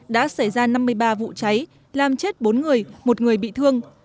đã xảy ra năm mươi ba vụ cháy làm chết bốn người một người bị thương